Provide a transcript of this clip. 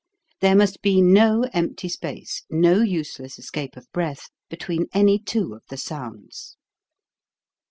There must be no empty space, no useless escape of breath, between any two of the sounds.